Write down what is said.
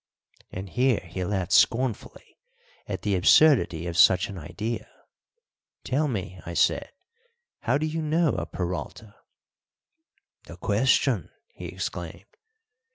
And here he laughed scornfully at the absurdity of such an idea. "Tell me," I said, "how do you know a Peralta?" "The question!" he exclaimed.